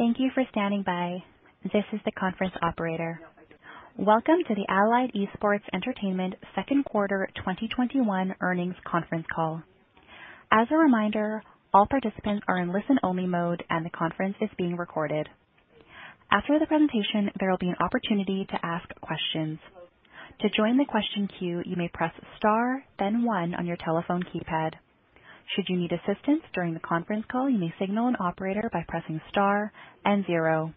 Thank you for standing by. This is the conference operator. Welcome to the Allied Esports Entertainment second quarter 2021 earnings conference call. As a reminder, all participants are in listen-only mode, and the conference is being recorded. After the presentation, there will be an opportunity to ask questions. To join question queue you may press star then one on your telephone keypad If you need assistance during the conference call you signal operator by pressing star and zero.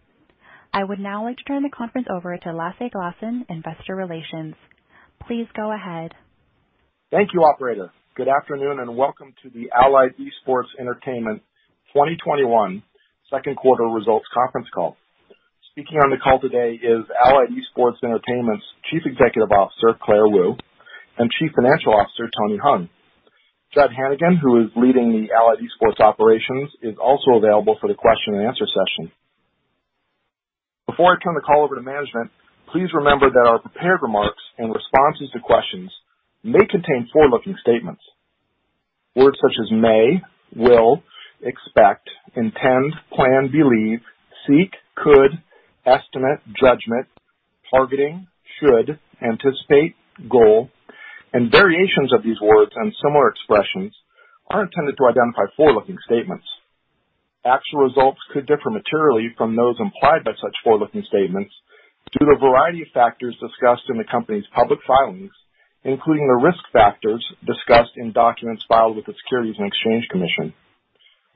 I would now like to turn the conference over to Lasse Glassen, Investor Relations. Please go ahead. Thank you, operator. Good afternoon, welcome to the Allied Esports Entertainment 2021 second quarter results conference call. Speaking on the call today is Allied Esports Entertainment's Chief Executive Officer, Claire Wu, and Chief Financial Officer, Tony Hung. Jud Hannigan, who is leading the Allied Esports operations, is also available for the question-and-answer session. Before I turn the call over to management, please remember that our prepared remarks in responses to questions may contain forward-looking statements. Words such as may, will, expect, intend, plan, believe, seek, could, estimate, judgment, targeting, should, anticipate, goal, variations of these words and similar expressions are intended to identify forward-looking statements. Actual results could differ materially from those implied by such forward-looking statements due to a variety of factors discussed in the company's public filings, including the risk factors discussed in documents filed with the Securities and Exchange Commission.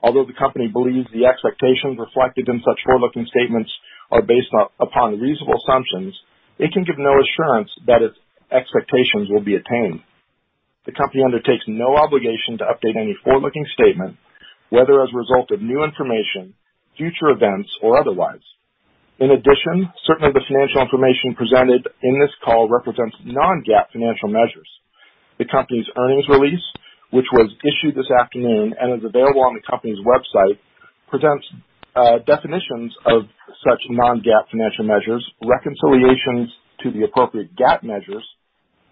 Although the company believes the expectations reflected in such forward-looking statements are based upon reasonable assumptions, it can give no assurance that its expectations will be attained. The company undertakes no obligation to update any forward-looking statement, whether as a result of new information, future events, or otherwise. In addition, certain of the financial information presented in this call represents non-GAAP financial measures. The company's earnings release, which was issued this afternoon and is available on the company's website, presents definitions of such non-GAAP financial measures, reconciliations to the appropriate GAAP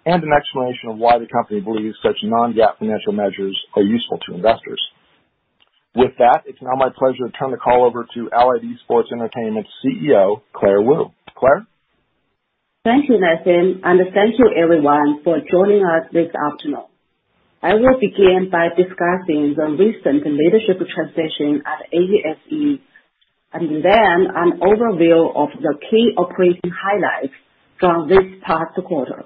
measures, and an explanation of why the company believes such non-GAAP financial measures are useful to investors. With that, it's now my pleasure to turn the call over to Allied Esports Entertainment CEO, Claire Wu. Claire? Thank you, Lasse, and thank you everyone for joining us this afternoon. I will begin by discussing the recent leadership transition at AESE and then an overview of the key operating highlights from this past quarter.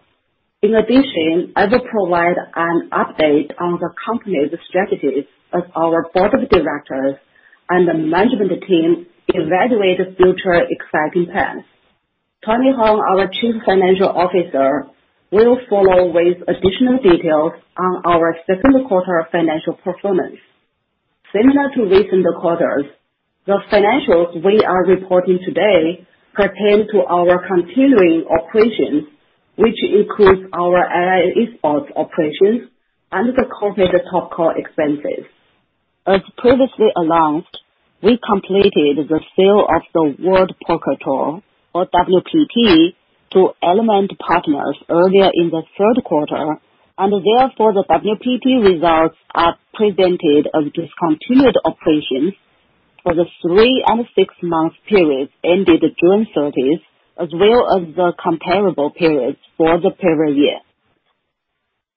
In addition, I will provide an update on the company's strategies as our board of directors and the management team evaluate future exciting plans. Tony Hung, our Chief Financial Officer, will follow with additional details on our second quarter financial performance. Similar to recent quarters, the financials we are reporting today pertain to our continuing operations, which includes our Allied Esports operations and the corporate TopCo expenses. As previously announced, we completed the sale of the World Poker Tour, or WPT, to Element Partners earlier in the third quarter. Therefore, the WPT results are presented as discontinued operations for the three and six-month periods ended June thirtieth, as well as the comparable periods for the prior year.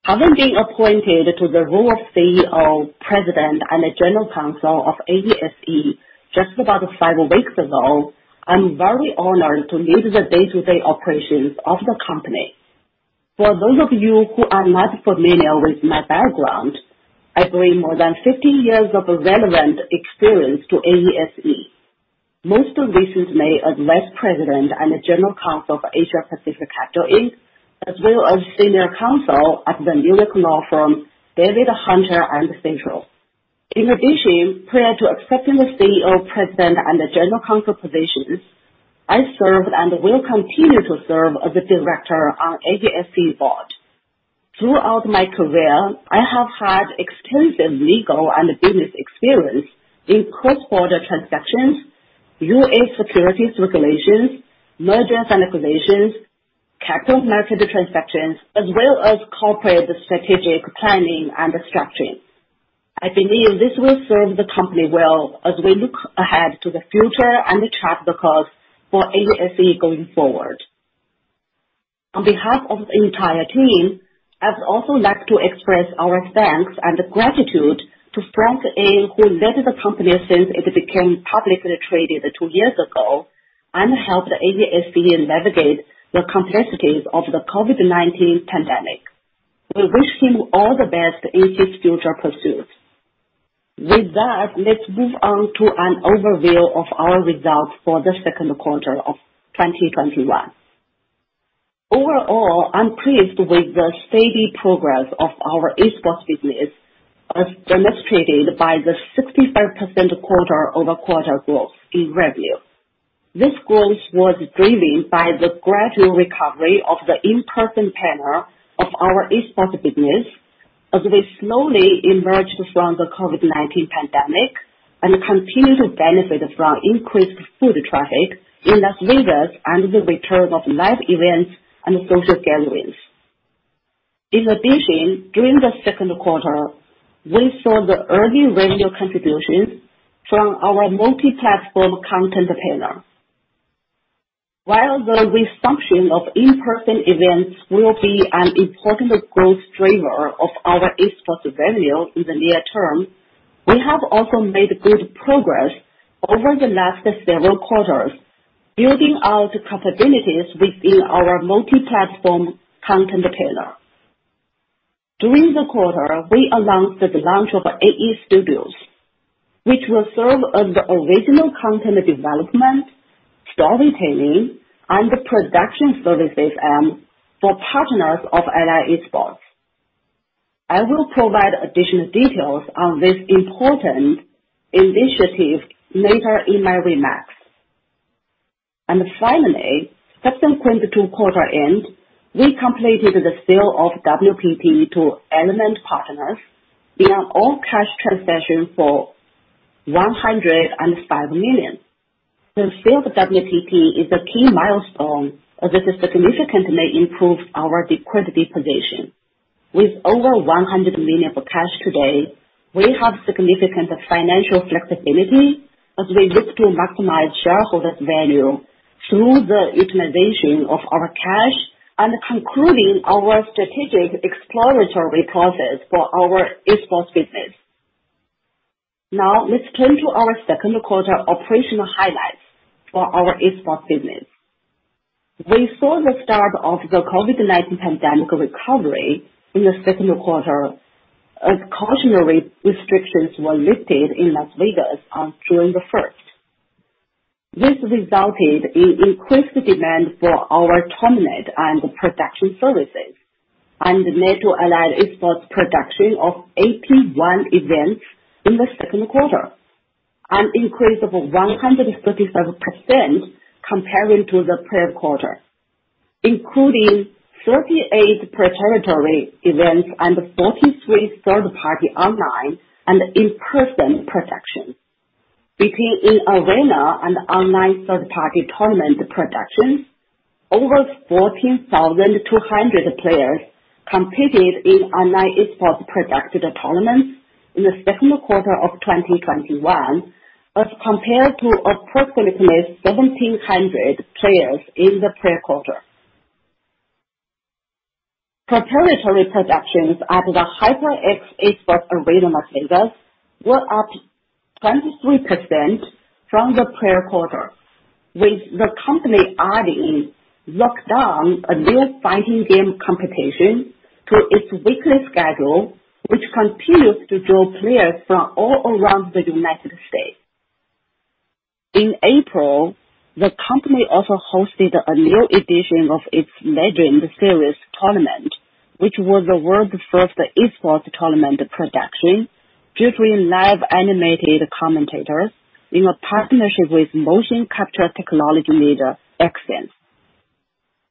Having been appointed to the role of CEO, President, and General Counsel of AESE just about five weeks ago, I am very honored to lead the day-to-day operations of the company. For those of you who are not familiar with my background, I bring more than 15 years of relevant experience to AESE. Most recently as Vice President and General Counsel for Asia Pacific Capital Inc., as well as Senior Counsel at the New York law firm, Davis, Hunter & Central. In addition, prior to accepting the CEO, President, and General Counsel positions, I served and will continue to serve as a director on AESE board. Throughout my career, I have had extensive legal and business experience in cross-border transactions, U.S. securities regulations, mergers and acquisitions, capital market transactions, as well as corporate strategic planning and structuring. I believe this will serve the company well as we look ahead to the future and the track records for AESE going forward. On behalf of the entire team, I would also like to express our thanks and gratitude to Frank Ng, who led the company since it became publicly traded two years ago and helped AESE navigate the complexities of the COVID-19 pandemic. We wish him all the best in his future pursuits. With that, let's move on to an overview of our results for the second quarter of 2021. Overall, I'm pleased with the steady progress of our esports business, as demonstrated by the 65% quarter-over-quarter growth in revenue. This growth was driven by the gradual recovery of the in-person pillar of our esports business as we slowly emerged from the COVID-19 pandemic and continue to benefit from increased foot traffic in Las Vegas and the return of live events and social gatherings. In addition, during the second quarter, we saw the early revenue contributions from our multi-platform content partner. While the resumption of in-person events will be an important growth driver of our esports revenue in the near term, we have also made good progress over the last several quarters, building out capabilities within our multi-platform content partner. During the quarter, we announced the launch of AE Studios, which will serve as the original content development, storytelling, and production services arm for partners of Allied Esports. I will provide additional details on this important initiative later in my remarks. Finally, subsequent to quarter end, we completed the sale of WPT to Element Partners in an all-cash transaction for $105 million. The sale of WPT is a key milestone that significantly improved our liquidity position. With over $100 million of cash today, we have significant financial flexibility as we look to maximize shareholder value through the utilization of our cash and concluding our strategic exploratory process for our esports business. Let's turn to our second quarter operational highlights for our esports business. We saw the start of the COVID-19 pandemic recovery in the second quarter as cautionary restrictions were lifted in Las Vegas on July the 1st. This resulted in increased demand for our tournament and production services and led to Allied Esports production of 81 events in the second quarter, an increase of 137% comparing to the prior quarter, including 38 proprietary events and 43 third-party online and in-person productions. Between in-arena and online third-party tournament productions, over 14,200 players competed in online esports-produced tournaments in the second quarter of 2021 as compared to approximately 1,700 players in the prior quarter. Proprietary productions at the HyperX Esports Arena Las Vegas were up 23% from the prior quarter, with the company adding Lockdown, a new fighting game competition, to its weekly schedule, which continues to draw players from all around the United States. In April, the company also hosted a new edition of its Legend Series tournament, which was the world's first esports tournament production featuring live animated commentators in a partnership with motion capture technology leader, Xsens.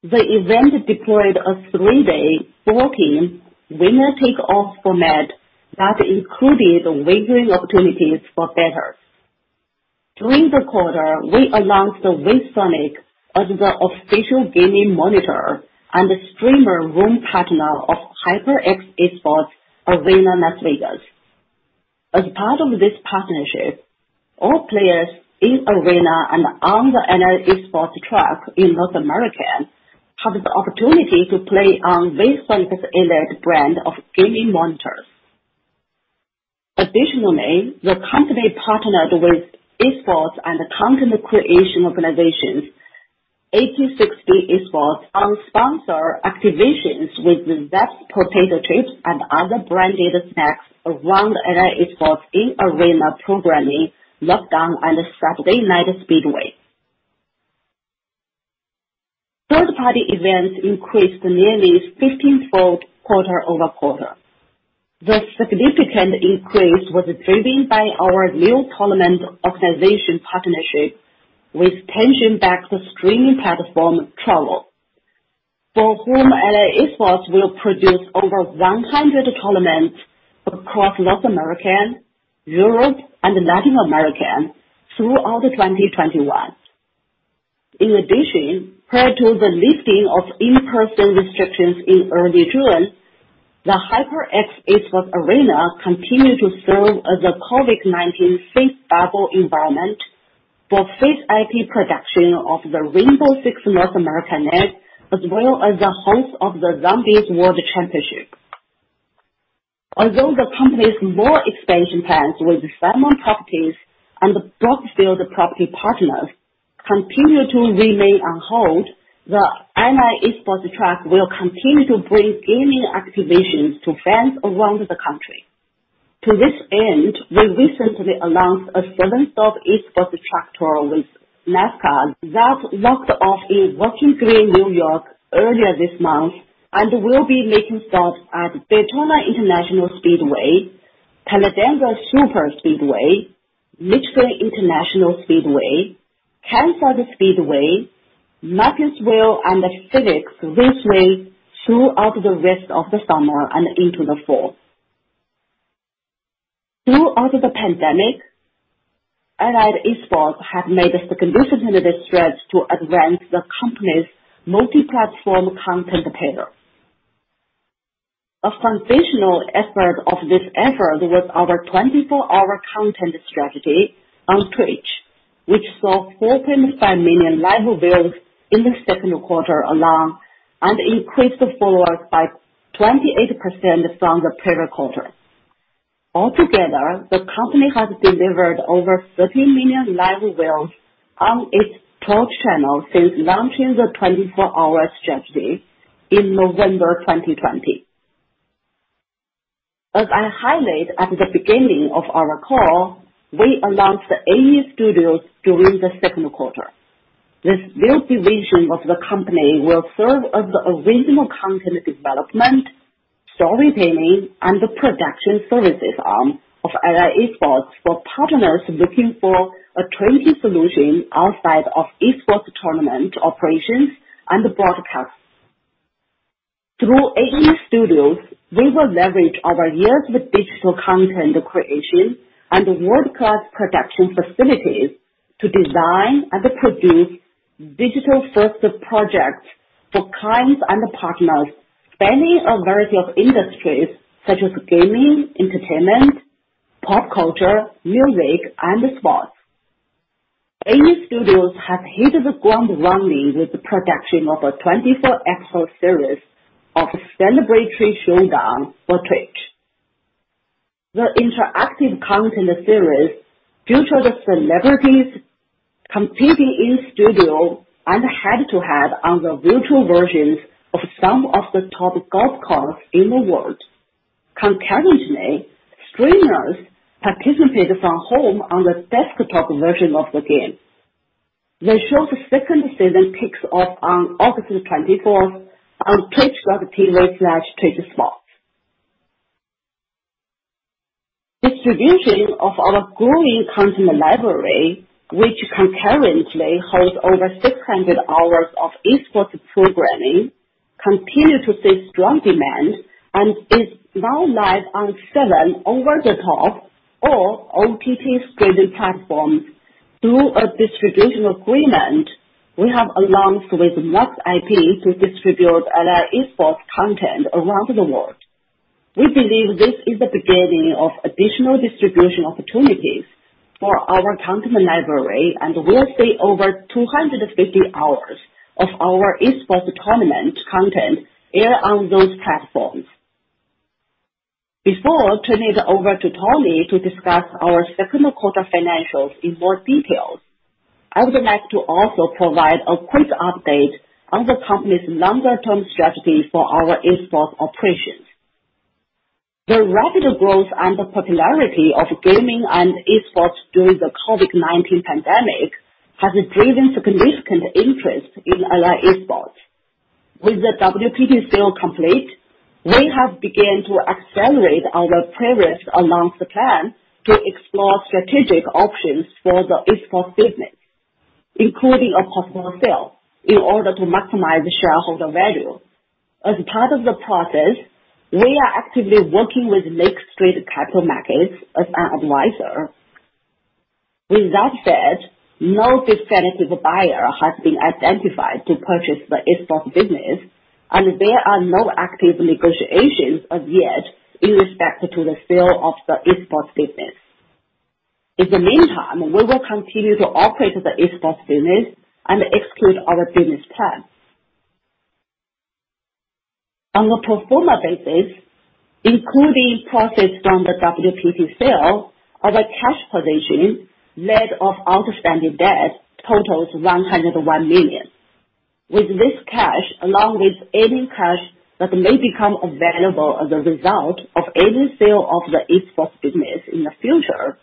The event deployed a three-day, four-team winner-take-all format that included wagering opportunities for bettors. During the quarter, we announced ViewSonic as the official gaming monitor and streamer room partner of HyperX Esports Arena Las Vegas. As part of this partnership, all players in-arena and on the Allied Esports truck in North America have the opportunity to play on ViewSonic's elite brand of gaming monitors. Additionally, the company partnered with esports and content creation organization 1860 Esports on sponsor activations with ZEST potato chips and other branded snacks around Allied Esports' in-arena programming, Lockdown and Saturday Night Speedway. Third-party events increased nearly fifteenfold quarter-over-quarter. The significant increase was driven by our new tournament organization partnership with Tencent-backed streaming platform, Trovo, for whom Allied Esports will produce over 100 tournaments across North America, Europe, and Latin America throughout 2021. In addition, prior to the lifting of in-person restrictions in early June, the HyperX Esports Arena continued to serve as a COVID-19 safe bubble environment for FaceIT production of the Rainbow Six North American League, as well as the host of the Zombies World Championship. Although the company's mall expansion plans with Simon Property Group and Brookfield Property Partners continue to remain on hold, the Allied Esports truck will continue to bring gaming activations to fans around the country. To this end, we recently announced a seven-stop esports truck tour with NASCAR that kicked off in Watkins Glen, N.Y., earlier this month and will be making stops at Daytona International Speedway, Talladega Superspeedway, Michigan International Speedway, Kansas Speedway, Martinsville, and Phoenix Raceway throughout the rest of the summer and into the fall. Throughout the pandemic, Allied Esports has made significant strategic strides to advance the company's multi-platform content pillar. A foundational effort of this effort was our 24-hour content strategy on Twitch, which saw 4.5 million live views in the second quarter alone and increased followers by 28% from the prior quarter. Altogether, the company has delivered over 13 million live views on its Twitch channel since launching the 24-hour strategy in November 2020. As I highlighted at the beginning of our call, we announced AE Studios during the second quarter. This new division of the company will serve as the original content development, storytelling, and the production services arm of Allied Esports for partners looking for a turnkey solution outside of esports tournament operations and broadcasts. Through AE Studios, we will leverage our years with digital content creation and world-class production facilities to design and produce digital-first projects for clients and partners spanning a variety of industries such as gaming, entertainment, pop culture, music, and sports. AE Studios has hit the ground running with the production of a 24-episode series of Celebrity Showdown for Twitch. The interactive content series features celebrities competing in-studio and head-to-head on the virtual versions of some of the top golf courses in the world. Concurrently, streamers participate from home on the desktop version of the game. The show's second season kicks off on August 24th on twitch.tv/twitchsports. Distribution of our growing content library, which concurrently holds over 600 hours of esports programming, continue to see strong demand and is now live on seven over-the-top or OTT streaming platforms through a distribution agreement we have announced with MAX IP to distribute Allied Esports content around the world. We believe this is the beginning of additional distribution opportunities for our content library, and will see over 250 hours of our esports tournament content air on those platforms. Before turning it over to Tony to discuss our 2Q financials in more detail, I would like to also provide a quick update on the company's longer-term strategy for our esports operations. The rapid growth and popularity of gaming and esports during the COVID-19 pandemic has driven significant interest in Allied Esports. With the WPT sale complete, we have begun to accelerate our previous announced plan to explore strategic options for the esports business, including a possible sale, in order to maximize shareholder value. As part of the process, we are actively working with Lake Street Capital Markets as our advisor. With that said, no definitive buyer has been identified to purchase the esports business, and there are no active negotiations as yet in respect to the sale of the esports business. In the meantime, we will continue to operate the esports business and execute our business plan. On a pro forma basis, including proceeds from the WPT sale, our cash position, net of outstanding debt, totals $101 million. With this cash, along with any cash that may become available as a result of any sale of the esports business in the future,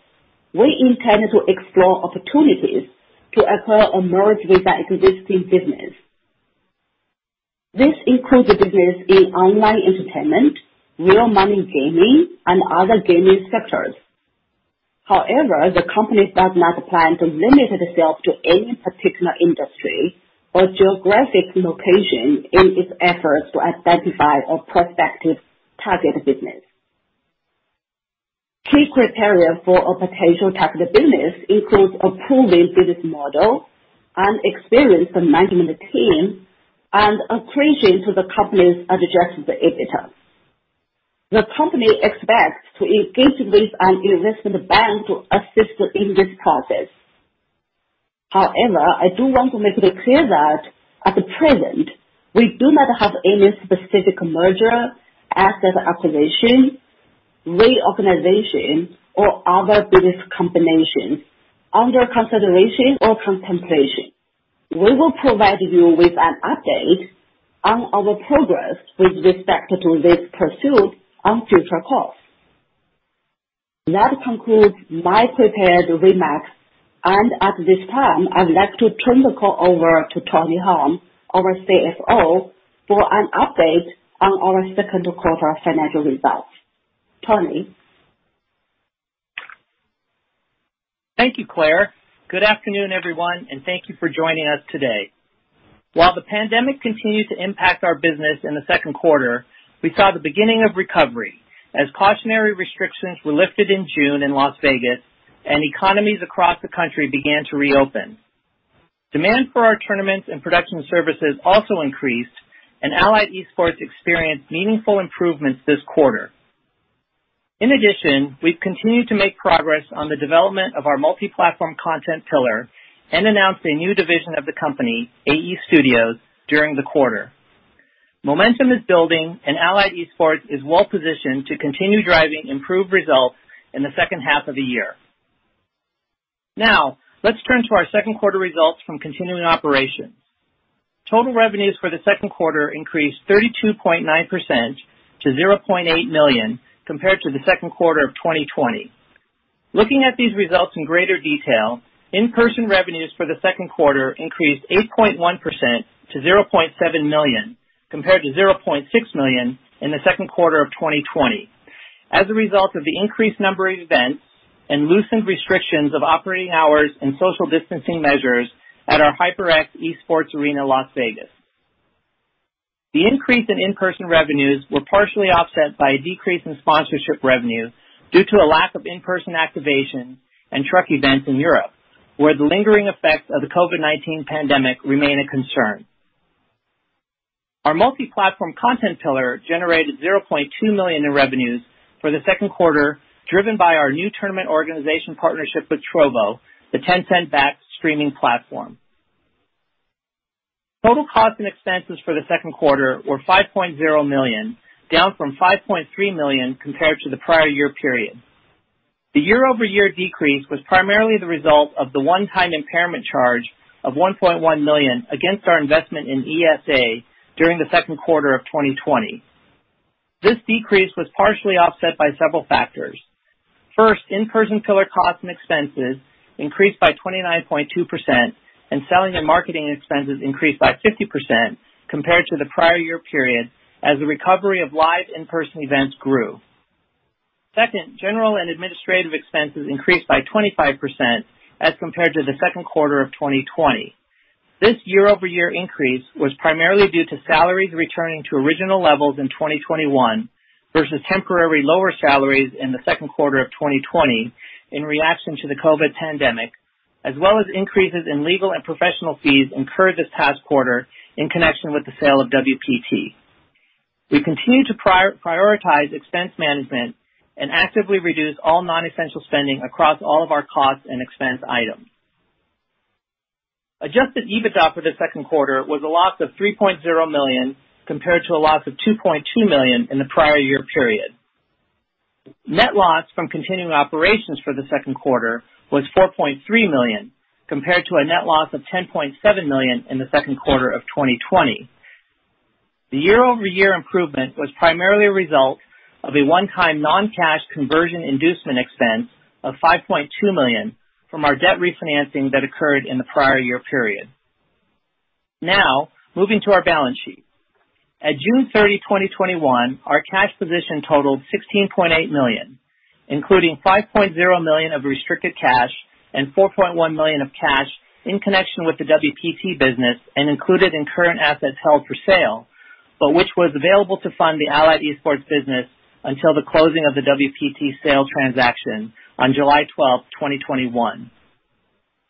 we intend to explore opportunities to acquire or merge with an existing business. This includes business in online entertainment, real money gaming, and other gaming sectors. The company does not plan to limit itself to any particular industry or geographic location in its efforts to identify a prospective target business. Key criteria for a potential target business includes a proven business model, an experienced management team, and accretion to the company's Adjusted EBITDA. The company expects to engage with an investment bank to assist in this process. I do want to make it clear that at present, we do not have any specific merger, asset acquisition, reorganization, or other business combination under consideration or contemplation. We will provide you with an update on our progress with respect to this pursuit on future calls. That concludes my prepared remarks, and at this time, I would like to turn the call over to Tony Hung, our CFO, for an update on our second quarter financial results. Tony? Thank you, Claire. Good afternoon, everyone, and thank you for joining us today. While the pandemic continued to impact our business in the second quarter, we saw the beginning of recovery as cautionary restrictions were lifted in June in Las Vegas and economies across the country began to reopen. Demand for our tournaments and production services also increased. Allied Esports experienced meaningful improvements this quarter. In addition, we've continued to make progress on the development of our multi-platform content pillar and announced a new division of the company, AE Studios, during the quarter. Momentum is building. Allied Esports is well-positioned to continue driving improved results in the second half of the year. Now, let's turn to our second quarter results from continuing operations. Total revenues for the second quarter increased 32.9% to $0.8 million compared to the second quarter of 2020. Looking at these results in greater detail, in-person revenues for the second quarter increased 8.1% to $0.7 million, compared to $0.6 million in the second quarter of 2020 as a result of the increased number of events and loosened restrictions of operating hours and social distancing measures at our HyperX Esports Arena Las Vegas. The increase in in-person revenues were partially offset by a decrease in sponsorship revenue due to a lack of in-person activation and truck events in Europe, where the lingering effects of the COVID-19 pandemic remain a concern. Our multi-platform content pillar generated $0.2 million in revenues for the second quarter, driven by our new tournament organization partnership with Trovo, the Tencent-backed streaming platform. Total costs and expenses for the second quarter were $5.0 million, down from $5.3 million compared to the prior year period. The year-over-year decrease was primarily the result of the one-time impairment charge of $1.1 million against our investment in ESA during the second quarter of 2020. This decrease was partially offset by several factors. First, in-person pillar costs and expenses increased by 29.2%, and selling and marketing expenses increased by 50% compared to the prior year period as the recovery of live in-person events grew. Second, general and administrative expenses increased by 25% as compared to the second quarter of 2020. This year-over-year increase was primarily due to salaries returning to original levels in 2021 versus temporary lower salaries in the second quarter of 2020 in reaction to the COVID pandemic, as well as increases in legal and professional fees incurred this past quarter in connection with the sale of WPT. We continue to prioritize expense management and actively reduce all non-essential spending across all of our cost and expense items. Adjusted EBITDA for the second quarter was a loss of $3.0 million, compared to a loss of $2.2 million in the prior year period. Net loss from continuing operations for the second quarter was $4.3 million, compared to a net loss of $10.7 million in the second quarter of 2020. The year-over-year improvement was primarily a result of a one-time non-cash conversion inducement expense of $5.2 million from our debt refinancing that occurred in the prior year period. Now, moving to our balance sheet. At June 30, 2021, our cash position totaled $16.8 million, including $5.0 million of restricted cash and $4.1 million of cash in connection with the WPT business and included in current assets held for sale, but which was available to fund the Allied Esports business until the closing of the WPT sale transaction on July 12, 2021.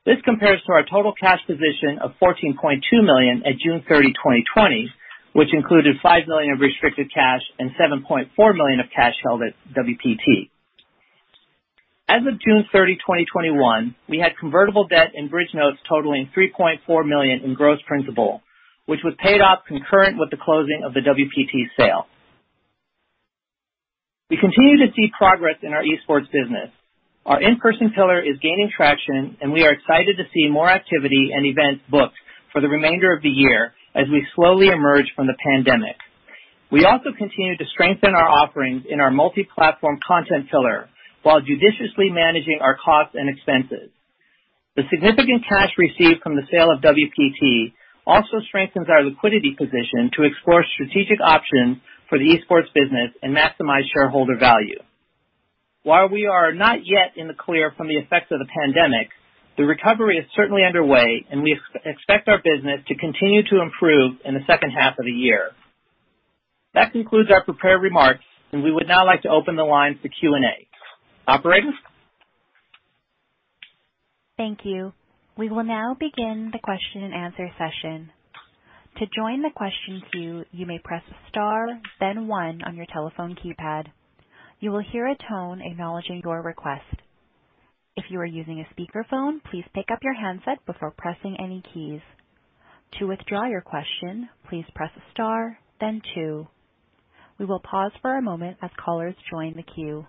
This compares to our total cash position of $14.2 million at June 30, 2020, which included $5 million of restricted cash and $7.4 million of cash held at WPT. As of June 30, 2021, we had convertible debt and bridge notes totaling $3.4 million in gross principal, which was paid off concurrent with the closing of the WPT sale. We continue to see progress in our esports business. Our in-person pillar is gaining traction, and we are excited to see more activity and events booked for the remainder of the year as we slowly emerge from the pandemic. We also continue to strengthen our offerings in our multi-platform content pillar while judiciously managing our costs and expenses. The significant cash received from the sale of WPT also strengthens our liquidity position to explore strategic options for the esports business and maximize shareholder value. While we are not yet in the clear from the effects of the pandemic, the recovery is certainly underway, and we expect our business to continue to improve in the second half of the year. That concludes our prepared remarks, and we would now like to open the lines for Q&A. Operator? Thank you. We will now begin the question-and-answer session. To join question press star then one on your telephone keypad you will here a tone acknowledging your request if you are using speakerphone please pickup your handset before pressing any key to withdraw your question, please press star then two. We will pause for a moment as chorus join the queue.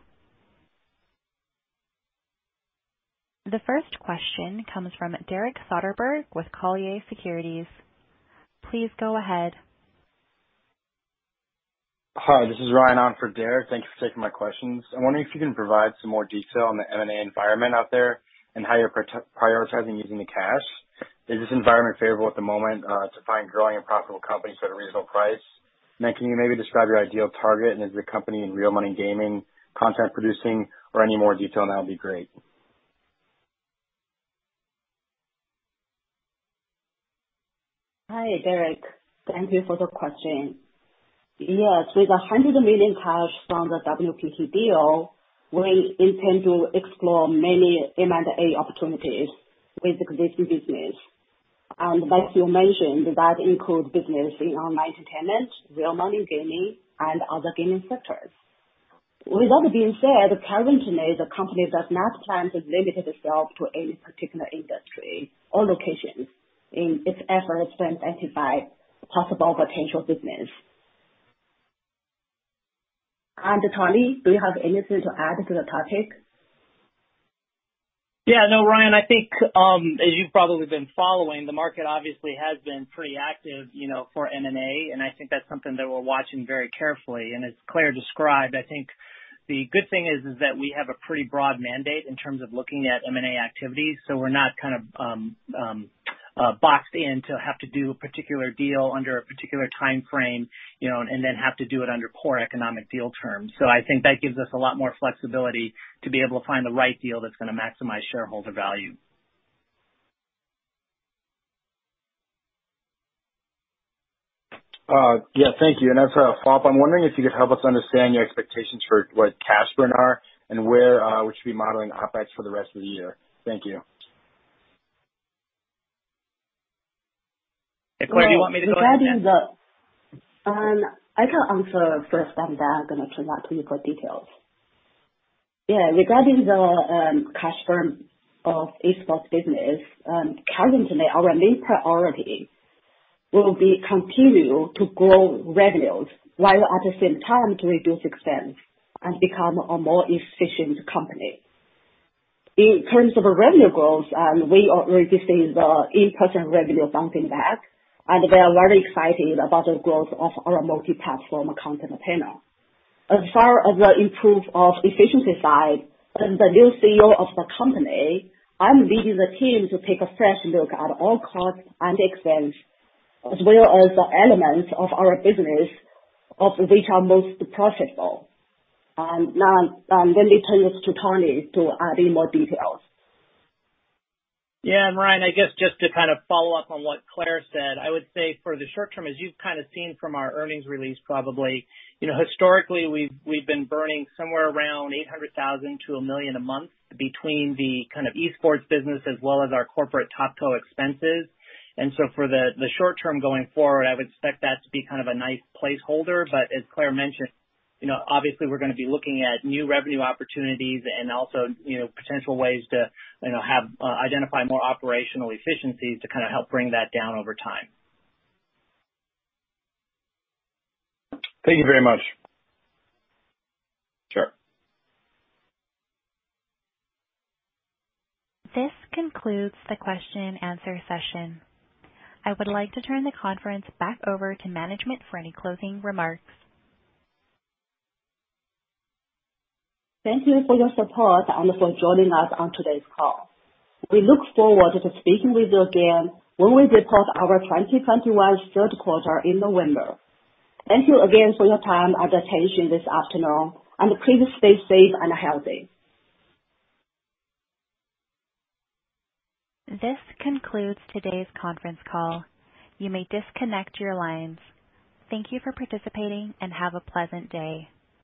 The first question comes from Derek Soderberg with Colliers Securities. Please go ahead. Hi, this is Ryan on for Derek. Thank you for taking my questions. I'm wondering if you can provide some more detail on the M&A environment out there and how you're prioritizing using the cash. Is this environment favorable at the moment to find growing and profitable companies at a reasonable price? Can you maybe describe your ideal target? Is your company in real money gaming, content producing, or any more detail on that would be great. Hi, Derek. Thank you for the question. Yes, with $100 million cash from the WPT deal, we intend to explore many M&A opportunities with the existing business. As you mentioned, that includes business in online entertainment, real money gaming, and other gaming sectors. With all being said, currently, the company does not plan to limit itself to any particular industry or locations in its efforts to identify possible potential business. Tony, do you have anything to add to the topic? Yeah. No, Ryan, I think, as you've probably been following, the market obviously has been pretty active for M&A, and I think that's something that we're watching very carefully. As Claire described, I think the good thing is that we have a pretty broad mandate in terms of looking at M&A activities, so we're not kind of boxed in to have to do a particular deal under a particular time frame and then have to do it under poor economic deal terms. I think that gives us a lot more flexibility to be able to find the right deal that's going to maximize shareholder value. Yeah. Thank you. As a follow-up, I'm wondering if you could help us understand your expectations for what cash burn are, and where we should be modeling OpEx for the rest of the year. Thank you. Claire, do you want me to go ahead? I can answer first. Then I can actually pass to you for details. Regarding the cash burn of esports business, currently, our main priority will be continue to grow revenues while at the same time to reduce expense and become a more efficient company. In terms of revenue growth, we are already seeing the in-person revenue bouncing back. We are very excited about the growth of our multi-platform content panel. As far as the improve of efficiency side, as the new CEO of the company, I'm leading the team to take a fresh look at all costs and expense, as well as the elements of our business of which are most profitable. Let me turn this to Tony Hung to add in more details. Yeah. Ryan, I guess, just to follow up on what Claire said, I would say for the short term, as you've seen from our earnings release probably, historically, we've been burning somewhere around $800,000 to $1 million a month between the esports business as well as our corporate TopCo expenses. For the short-term going forward, I would expect that to be a nice placeholder. As Claire mentioned, obviously, we're going to be looking at new revenue opportunities and also potential ways to identify more operational efficiencies to help bring that down over time. Thank you very much. Sure. This concludes the question-and-answer session. I would like to turn the conference back over to management for any closing remarks. Thank you for your support and for joining us on today's call. We look forward to speaking with you again when we report our 2021 third quarter in November. Thank you again for your time and attention this afternoon, and please stay safe and healthy. This concludes today's conference call. You may disconnect your lines. Thank you for participating, and have a pleasant day.